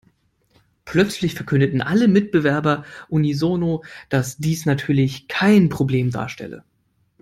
Plötzlich verkündeten alle Mitbewerber unisono, dass dies natürlich kein Problem darstelle.